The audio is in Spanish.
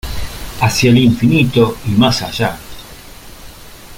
¡ Hacia el infinito y más allá!